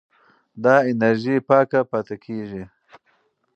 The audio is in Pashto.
دا انرژي پاکه پاتې کېږي.